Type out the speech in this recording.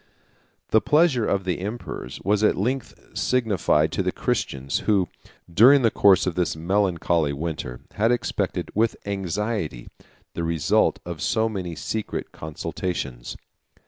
] The pleasure of the emperors was at length signified to the Christians, who, during the course of this melancholy winter, had expected, with anxiety, the result of so many secret consultations.